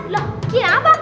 loh kira apa